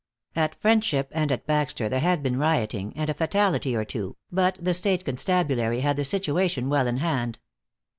At Friendship and at Baxter there had been rioting, and a fatality or two, but the state constabulary had the situation well in hand.